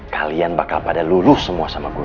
kalian bakal pada lurus semua sama gue